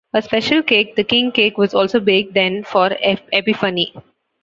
A special cake, the king cake, was also baked then for Epiphany.